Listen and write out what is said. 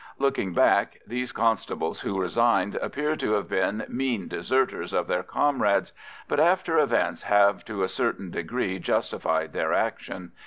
Looking back, these constables who resigned appear to have been mean deserters of their comrades, but after events have to a certain degree justified their action.